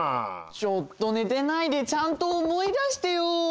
ちょっとねてないでちゃんとおもい出してよ。